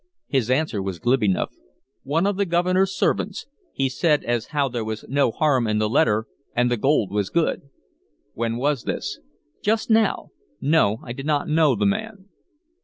His answer was glib enough: "One of the governor's servants. He said as how there was no harm in the letter, and the gold was good." "When was this?" "Just now. No, I did n't know the man."